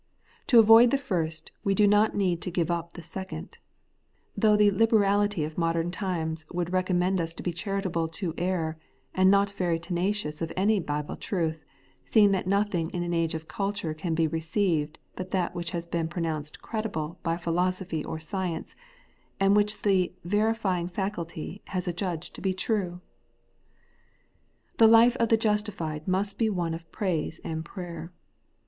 To avoid the first we do not need to give up the second : though the ' liberality ' of modern times would re commend us to be charitable to error, and not very tenacious of any Bible truth, seeing that nothing in an age of culture can be received but that which has been pronounced credible by philosophy or science, and which the ' verifying faculty ' has ad judged to be true ! The life of the justified must be one of praise and prayer.